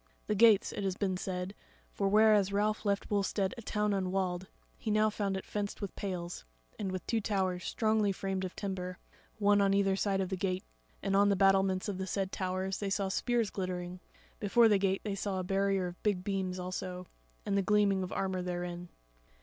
The gates, it has been said; for whereas Ralph left Wulstead a town unwalled, he now found it fenced with pales, and with two towers strongly framed of timber, one on either side the gate, and on the battlements of the said towers they saw spears glittering; before the gate they saw a barrier of big beams also, and the gleaming of armour therein.